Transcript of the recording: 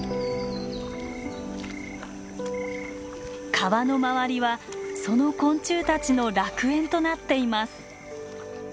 川の周りはその昆虫たちの楽園となっています。